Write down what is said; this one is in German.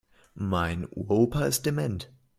Mein Uropa ist dement.